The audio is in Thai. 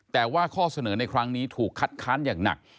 แต่ว่าข้อเสนอในครั้งนี้ถูกคัดค้านอย่างหนัก